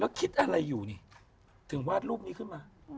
แล้วคิดอะไรอยู่นี่ถึงวาดรูปนี้ขึ้นมา